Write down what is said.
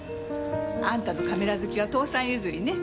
あんたのカメラ好きは父さん譲りね。